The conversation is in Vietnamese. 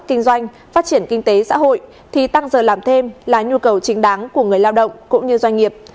kinh doanh phát triển kinh tế xã hội thì tăng giờ làm thêm là nhu cầu chính đáng của người lao động cũng như doanh nghiệp